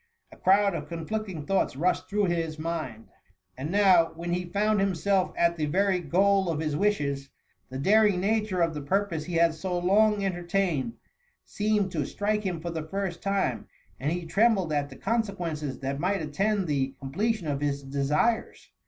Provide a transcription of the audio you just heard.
A crowd of conflicting thoughts rushed through his mind ; and now, when he found himself at the very goal of his wishes, the daring nature of the purpose he had so long entertained, seemed to strike him for the first time, and he trembled at the consequences that might attend the com pletion of his desires.